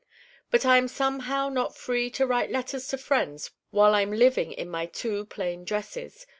But I am somehow not free to write letters to friends while I'm living in my two plain dresses.